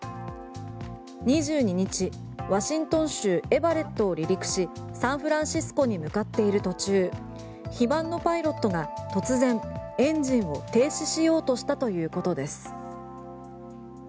２２日ワシントン州エバレットを離陸しサンフランシスコに向かっている途中非番のパイロットが突然エンジンを停止しようとしたということです。